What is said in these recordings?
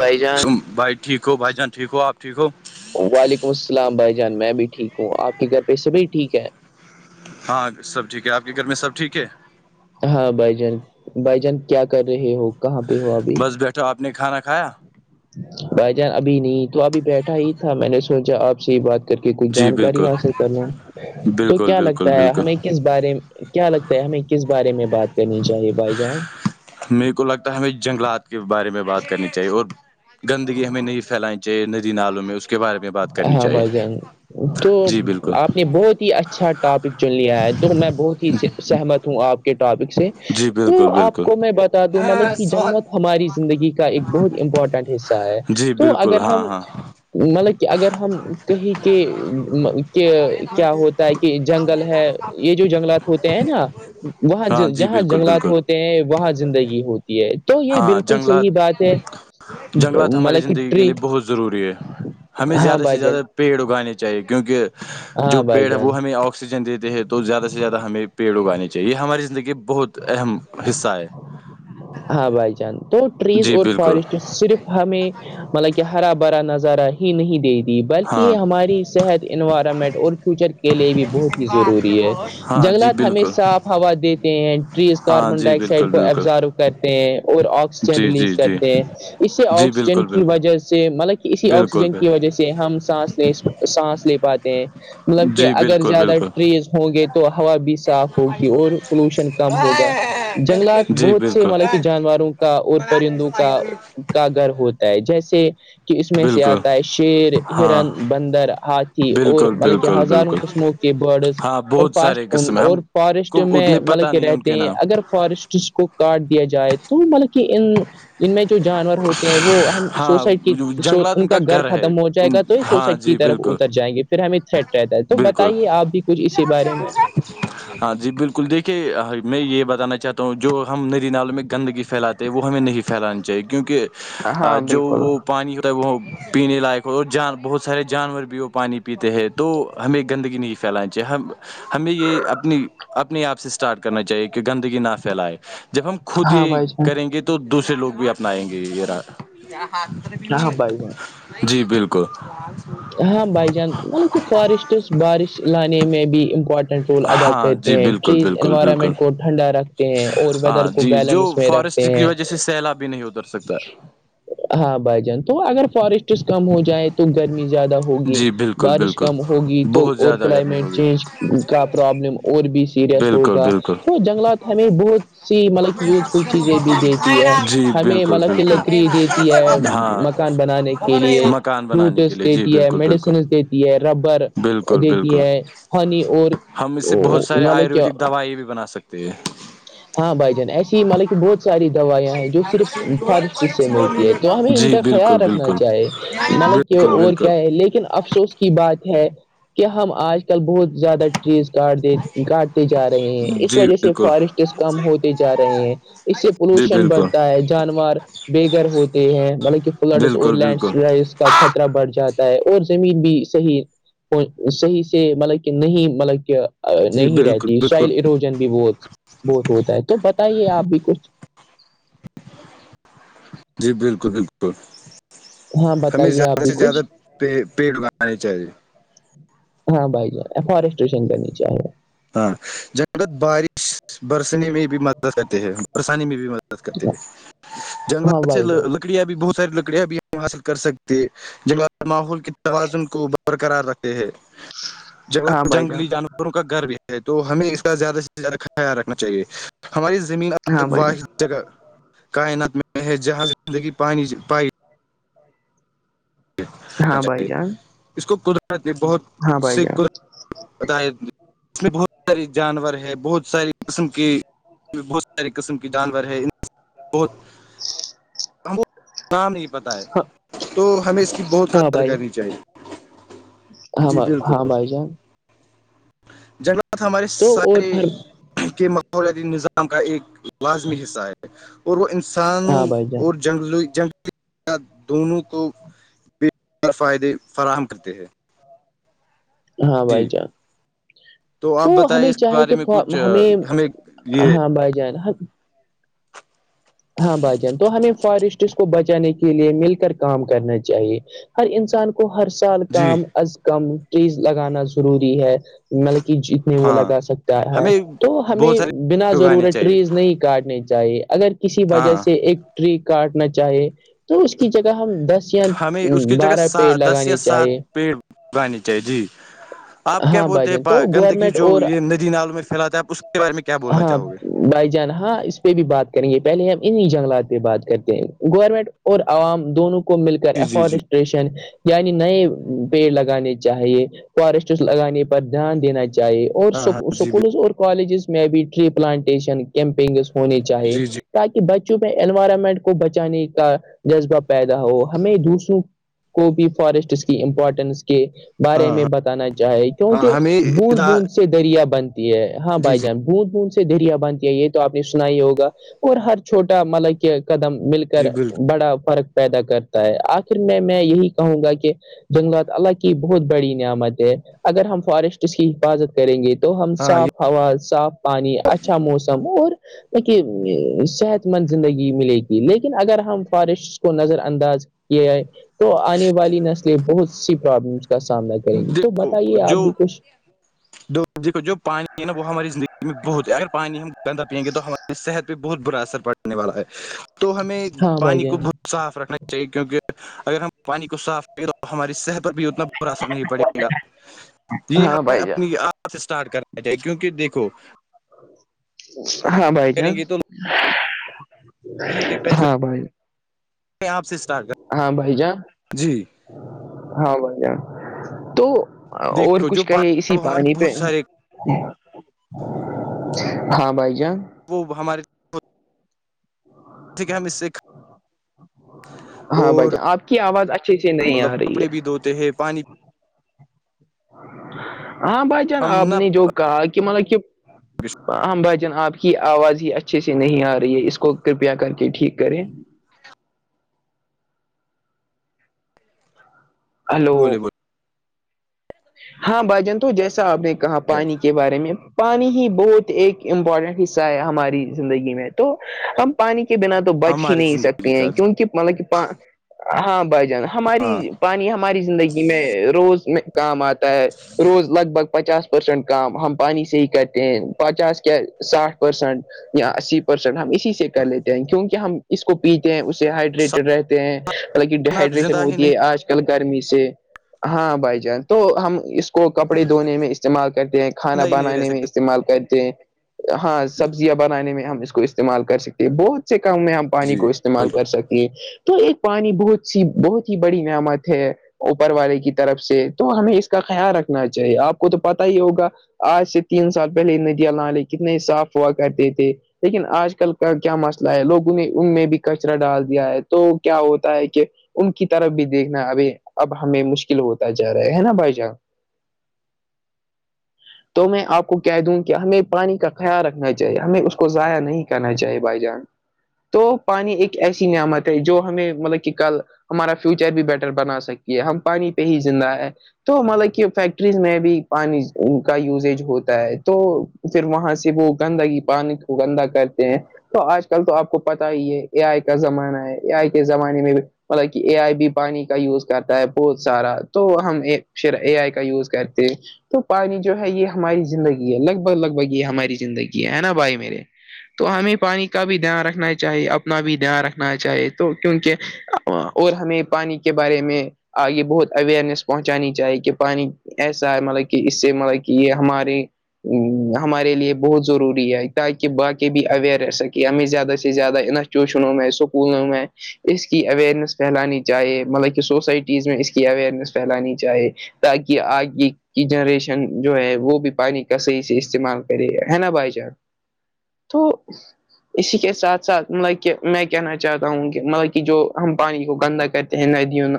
بھائی جان تم بھائی ٹھیک ہو بھائی جان ٹھیک ہو آپ ٹھیک ہو وعلیکم السلام بھائی جان میں بھی ٹھیک ہوں آپ کے گھر پیسے بھی ٹھیک ہے ہاں سب ٹھیک ہے آپ کے گھر میں سب ٹھیک ہے ہاں بھائی جان بائی جان کیا کر رہے ہو کہاں پہ ہو ابھی تو آپ نے کھانا کھایا بھائی جان ابھی نہیں تو ابھی بیٹھا ہی تھا میں نے سوچا آپ سے یہ بات کر کے کوئی جی جانکاری بالکل حاصل کر لوں تو بالکل کیا بالکل لگتا ہے بالکل ہمیں کس بارے کیا لگتا ہے ہمیں کس بارے میں بات کرنی چاہیے بائی جان میرے کو لگتا ہے ہمیں جنگلات کے بارے میں بات کرنی چاہیے اور گندگی ہمیں نہیں پھیلانی چاہیے ندی نالوں میں اس کے بارے میں بات کرنی ہاں چاہیے بھائی جان تو جی بالکل آپ نے بہت ہی اچھا ٹاپک چن لیا ہے تو میں بہت ہی سہمت ہوں آپ کے ٹاپک سے جی تو بالکل آپ بالکل کو میں بتا دوں مطلب کہ جنگلت ہماری زندگی کا ایک بہت امپورٹنٹ حصہ ہے جی تو بالکل اگر ہاں ہم ہاں مطلب کہ اگر ہم کہیں کے کیا ہوتا ہے کہ جنگل ہے یہ جو جنگلات ہوتے ہیں نا وہاں ہاں جی جہاں بالکل جنگلات بالکل ہو وہاں زندگی ہوتی ہے تو یہ ہاں بالکل جنگلات صحیح بات ہے جنگلات ہماری مطلب کہ زندگی کے ٹری لیے بہت ضروری ہے ہمیں ہاں زیادہ سے بھائی جان زیادہ پیڑ اگانے چاہیے کیونکہ جو ہاں بھائی پیڑ ہے جان وہ ہمیں آکسیجن دیتے ہیں تو زیادہ سے زیادہ ہمیں پیڑ اگانے چاہیے یہ ہماری زندگی بہت اہم حصہ ہے ہاں بھائی جان تو ریز جی اور بالکل فارسٹ صرف ہمیں مطلب کہ ہرا بھرا نظارہ ہی نہیں دیتی بلکہ یہ ہاں ہماری صحت انوائرمنٹ اور فیوچر کے لیے بھی بہت ہی ضروری ہے ہاں جی جنگلات ہمیں بالکل صاف ہوا دیتے ہیں ٹریز ہاں کاربن جی ڈائی بالکل آکسائڈ کو بالکل ایبزارو کرتے ہیں اور آکسیجن جی جی ریلیز جی کرتے ہیں اس سے جی آکسیجن بالکل کی بالکل وجہ سے مطلب کہ اسی بالکل آکسیجن کی بال وجہ سے ہم سانس ل سانس لے پاتے ہیں مطلب کہ جی اگر بالکل زیادہ بالکل ٹریز ہوں گے تو ہوا بھی صاف ہوگی اور پولوشن ہوگا جنگلات جی بہت سے بالکل ملا کہ جانوروں کا اور پرندوں کا کا گھر ہوتا ہے جیسے کہ اس میں سے بالکل آتا ہے شیر ہاں ہرن بندر ہاتھی اور بالکل بالکل مطلب کہ بالکل ہزاروں بالکل قسموں برڈ ہاں اور بہت ف سارے قسم ہے اور ہم فارسٹ کو میں اتنے مطلب پتہ کہ نہیں ہے ان رہتے کے ہیں نام اگر فارسٹس کو کاٹ دیا جائے تو مطلب کہ ان ان میں جو جانور ہوتے ہیں وہ ہم ہاں سوسائٹ کی جنگلات ان کا گھر ہے ختم ہو جائے ان، گا تو یہ ہاں سوسائٹ کی جی طرف بالکل اتر جائیں گے پھر ہمیں تھریٹ رہتا ہے تو بالکل بتائیے آپ بھی کچھ اسی بارے میں ہاں جی بالکل دیکھیے میں یہ بتانا چاہتا ہوں جو ہم نری نال میں گندگی پھیلاتے وہ ہمیں نہیں پھیلانی چاہیے کیونکہ جو وہ پانی وہ پینے لائق ہو اور جان بہت سارے جانور بھی وہ پانی پیتے ہیں تو ہمیں گندگی نہیں پھیلانی چاہیے ہم ہمیں یہ اپنی اپنی آپ سے اسٹارٹ کرنا چاہیے کہ گندگی نہ پھیلائے جب ہم خود ہاں یہ بھائی جان کریں گے تو تو دوسرے لوگ بھی اپناائیں گے یہ ہاں بھائی جان۔ جی بالکل ہاں بھائی جان مطلب کہ فارسٹس بارش لانے میں بھی مپٹنٹ رول ادا ہاں جی کرتے ہیں بالکل ٹریز بالکل بالکل انوائرمنٹ کو ٹھنڈا رکھتے ہیں اور ہاں ویدر کو جی جو بیلنس میں رکھتے فارسٹ کی ہیں وجہ سے سیلاب بھی نہیں اتر سکتا ہاں بھائی جان تو اگر فارسٹس کم ہو جائے تو گرمی زیادہ ہوگی جی بالکل بارش بالکل کم ہوگی تو بہت اور زیادہ گرمی کلائمیٹ ہوگی چینج کا پرابلم اور بھی سی سیریس بالکل ہوگا بالکل تو جنگلات ہمیں بہت سی مطلب یوزفل چیزیں بھی دیتی جی ہمیں بالکل مطلب کہ لکڑی دیتی ہے بالکل ہاں مکان بنانے کے لیے مکان بنانے کے فروٹس لیے جی دیتی ہے بالکل بالکل میڈیسنس دیتی ہے ربر بالکل دیتی بالکل ہے ہنی اور ہم اسے بہت سارے مطلب کیا آیورویدک دوائی بھی بنا سکتے ہیں ہاں بھائی جان ایسی ہی مطلے کہ بہت ساری دوائیاں ہیں جو صرف فارسٹ سے ملتی ہے تو ہمیں ان جی کا بالکل خیال رکھنا بالکل چاہے ملب کہ بالکل اور بالکل لیکن افسوس کی بات ہے کہ ہم آج بہت زیادہ ٹریز کاٹ کاٹتے جا رہے ہیں اس جی وجہ سے بالکل فاریسٹ کم ہوتے جا رہے ہیں اس سے جی پولوشن بالکل بڑھتا ہے جانور بے گھر ہوتے ہیں مطلب کہ فلڈس اور بالکل بالکل لینڈز کا خطرہ بڑھ جاتا اور زمین بھی صحیح صحیح سے مطلب کہ نہیں مطلب کہ جی نہیں بالکل رہتی بالکل شائل اروجن بھی بہت بہت ہوتا ہے تو بتائیے آپ بھی کچھ جی بالکل بالکل ہاں ہمیں بتائیے آپ زیادہ بھی سے زیادہ کچھ پ پیٹ لگانے چاہیے ہاں بھائی جان فارسٹریشن کرنی چاہیے ہاں جنگد بارش برسنے میں بھی مدد کرتے ہے برسانے میں بھی م ہاں جنگلات سے بھائی جان لکڑیاں بھی بہت ساری لکڑیاں بھی ہم حاصل کر سکتے ج ماحول کے توازن کو برقرار رکھتے ہے ج ہاں بھائی جان جنگلی جانوروں کا گھر بھی ہے تو ہمیں اس کا زیادہ سے زیادہ خیال رکھنا چاہیے ہماری زمین اب ہاں تک بھائی جان واش کائنت میں ہے جہاز زندگی پانی پائے رکھنا ہاں بھائی چاہیے جان اس کو قدرت بہت ہاں بائی جے بتا اس میں بہت سارے جانور ہے بہت ساری قسم کی بہت سارے قسم کی جانور ہے بہت اچ [unintelligible] [inaudible] ہم کو نام نہیں پت ہے تو ہمیں اس کی بہت ہاں قدر بھائی کرنی ت چاہ ہاں ب ہاں بھائی جان جنگلات ہمارے تو اور ساری کے ماحولیاتی نظام کا ایک لازمی حصہ ہے اور وہ انسانوں ہاں بھائی جان اور جنگل جنگلی دونوں کو بے فائدے فراہم کرتے ہیں ہاں بھائی جی جان آپ تو بتائیں ہمیں اس کے چاہے بارے کہ میں کچھ ہمیں یہ ہاں بائی جانا ہاں بھائی جان تو ہمیں فارسٹس کو بچانے کے لیے مل کر کام کرنا چاہیے ہر انسان کو ہر سال جی کام از کم ٹریز لگانا ضروری ہے مطلب کہ ج وہ ہاں لگا سکتا ہے ہمیں تو بہت ہمیں سارے بنا پیڑ اگانے ضرورت چاہیے ٹریز نہیں کاٹنی چاہیے اگر کسی وجہ ہاں سے ایک ٹری کاٹنا چاہے تو اس کی جگہ ہم دس کیا بارہ پیڑ لگانے چاہیے پڑ [inaudible] بانی چاہیےی [inaudible] اچھا [inaudible] آپ کیا بولتے ہیںا گندگی جو یہ ندی نال میں پھیلاتا ہےپ اس کے بارے میں کیا بول رہے ہاں بائی جان ہاں اس بھی بات کریں گے پہلے ہم انہیں جنگلات پہ بات کرتے ہیں گورنمنٹ اور عوام دونوں کو کو مل کر جی جی جی افورسٹریشن یعنی نئے پیڑ لگانے چاہیے فارسٹس لگانے پر دھیان دینا چاہیے اور ہاں ہاں جی سکولز اور کالجز میں بھی ٹری پلانٹیشن کیمپنگ ہونے چاہیے جی جی تاکہ بچوں پ انوائرمنٹ کو بچانے کا جذبہ پیدا ہو ہمیں دوسروں کو بھی فارسٹس کی امپورٹینس کے ہاں بارے میں ہاں بتانا چاہے ہاں کیونکہ ہمیں بوند بوند سے دریا بن ہے ہاں جی بھائی جی جان بت بج سے دریا بنتی ہے یہ تو آپ نے سنا ہی ہوگا اور ہر چھوٹا مطلب کہ قدم مل کر جی بالکل بڑا فرق پیدا کر آخر میں میں یہی کہوں گا کہ جنگلات اللہ کی بہت بڑی نعمت اگر ہم فارسٹ اس کی حفاظت کریں گے تو ہم ہاں صاف یہ ہا صاف پانی اچھا موسم اور صحت مند زندگی ملے گی لیکن اگر ہم فارسٹ کو نظر انداز یہ ہے تو آنے والی نسلیں بہت سی پرابلمس کا سامنا کریں گی جو [inaudible] ج [inaudible] جو پانی نا وہ ہماری زندگی میں بہت ہے اگر پانی ہم گندا پیئیں گے تو ہمار [inaudible] صحت پہ بہت برا اثر پڑنے والا ہے تو ہمیں ہاں بھائی پانی کو جان بہت صاف رکھنا چاہیے کیونکہ اگر ہم پانی کو صاف ریں تو ہماری صحت پر بھی اتنا برا اثر نہیں پڑے گا [inaudible] یہ ہاں ہمیں بھائی جان اپنی آپ اسٹارٹ کرنا کیونکہ دیکھو ہاں بائی کریں چانس گے تو ہے کہ ہاں بائی [inaudible] میں آپ سے اسٹارٹ کر ہاں بھائی جان جی ہاں بھائی جان تو اور دیکھو جو کچھ کہے اسی وہ ہمارے پانی بہت پہ سارے ہاں بھائی جان وہ ہمارے ٹھیک ہے ہم اس سے ہاں بھ اور جان آپ کی آواز اچھے سے نہیں آ رہی ہے دوتے ہیں پانی ہاں بھائی جان ہم آپ نہ نے جو کہا کہ مطلب کہ ہ بھائی جان آپ کی آواز ہی اچھے سے نہیں آ رہی ہے اس کو کرپیا کر کے ٹھیک کریں ہلو بولے بولے ہاں بھائیجن تو جیسا آپ نے کہا اب پانی کے بارے میں پانی ہی بہت ایک امپورٹنٹ حصہ ہے ہماری زندگی میں تو ہم پانی کے بنا تو تو بچ ہی ہماری نہیں زندگی سکتے کا ہیں کیونک مطلب کہ پ ہاں بائی جان ہماری ہاں پانی ہماری زندگی میں روز میں کام آتا ہے روز لگ بھگ پچاس پرسنٹ کام ہم پانی سے ہی کرتے ہیں پچاس کے ساٹھ پرسنٹ اسی پرسینٹ ہم اس سے کر لیتے ہیں کیونکہ ہم اس کو پیتے ہیں اس سے ہائڈریٹڈ رہتے ہیں مل کہ ڈیہائڈریشن زندہ ہی ہوتی نہیں ہے آج کل گرمی سے ہاں بھائی جان تو ہم اس اس کو کپڑے دھونے میں استعمال کرتے ہیں کھانا زندہ ہی نہیں رہ بنانے میں سکتے استعمال کرتے ہیں ہاں سبزیاں بنانے میں ہم اس کو استعمال کر سکتے ہیں بہت سے کام میں ہم پانی جی کو استعمال بالکل کر سکتے تو ایک پانی بہت سی بہت ہی بڑی نعمت ہے اوپر والے کی طرف سے تو ہمیں اس کا خیال رکھنا چاہیے آپ کو تو پتا ہی ہوگا آج سے تین سال پہلے ندی اللہ علیہ کتنے صاف ہوا کرتے تھے لیکن آج کل کا کیا مسئلہ ہے لوگوں نے ان میں بھی کچرا ڈال دیا ہے تو کیا ہوتا ہے کہ ان کی طرف بھی دیکھنا ابھی اب ہمیں مشکل ہوتا ہے ج رہے ہے نا بائی جا تو میں آپ کو کہہ دوں کہ ہمیں پانی کا خیال رکھنا چاہیے ہمیں اسس کو ضائع نہیں کہنا چاہے بھائی جان تو پانی ایک ایسی نعمت ہے جو ہمیں مطلب کہ کل ہمارا فیوچر بھی بیٹر بنا سکیے ہم پانی پہ ہی زندہ ہے تو ہمطلب کہ فیکٹریز میں بھی پانی کا یوزیج ہوتا ہے تو پھر وہاں سے وہ گندگی پانی کو گندا کرتے ہیں تو آج کل تو آپ کو پتا ہی ہے اے آئی کا زمانہ ہے اے آئی کے زمانے میں بھی مطلب کہ اے آئی بی پانی کا یوز کرتا ہے بہت سارا تو ہم پھر اے آئی کا یوز کرتے تو پانی جو ہے یہ ہماری زندگی ہے لگ بھگ لگ بھگ یہ ہماری زندگی ہے ہے نا بھائی میرے تو ہمیں پانی کا بھی دھیان رکھنا چاہیے اپنا بھی دھیان رکھنا چاہیے تو کیونکہ اور ہمیں پانی کے بارے میں آگے بہت اوئرنیس پہنچانی چاہیے کہ پانی ایسا ہے مطلب کہ اس سے مطلب کہ یہ ہمارے ہمارے لیے بہت ضروری ہے تاکہ باقی بھی اویئر رہ سکے ہمیں زیادہ سے زیادہ ٹیوشنوں میں اسکولوں میں اس کی اوئرنیس پھیلانی چاہیے مطلب کہ سوسائٹیز میں اس اوئرنیس پھیلانی چاہیے تاکہ آگے کی جنریشن جو ہے وہ بھی پانی کا صحیح سے استعمال کرے گ ہے نا بائی چان تو اسی کے ساتھ ساتھ مطلب کہ میں کہنا چاہتا ہوں کہ مطلب کہ جو ہم پانی کو گندہ کر ندیوں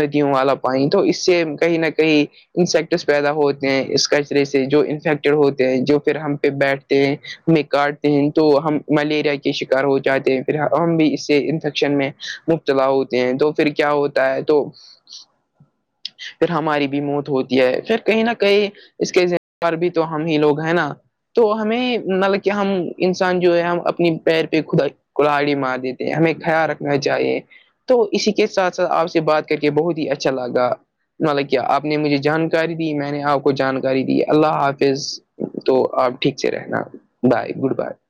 ندیوں والا پانی تو اس سے کہیں نہ کہیں انسیکٹس پیدا ہوتے ہیں اس کچرے سے جو انفیکٹیڈ ہوتے ہیں جو پھر ہم پہ بیٹھتے ہیں میں کاٹتے ہیں تو ہم ملیریا کے شکار ہو جاتے ہیں پھر ہم بھی اس سے انفیکشن میں چلا ہوتے ہیں تو پھر کیا ہوتا ہے تو پھر ہماری بھی موت ہوتی ہے پھر کہیں نہ کہیں اس کے پر بھی تو ہم ہی لوگ ہیں نا تو ہمیں مطلب کہ ہم انسان جو ہے ہم اپنی پیر پہ خدا کلہڑی مار دیتے ہیں ہمیں خیال رکھنا چاہیے تو اسی کے ساتھ ساتھ آپ سے بات کر کے بہت ہی اچھا لگ گا مطلب کیا آپ نے مجھے جانکاری دی میں نے آپ کو جانکاری دی اللہ حافظ تو آپ ٹھیک سے رہنا بائے گڈ بائے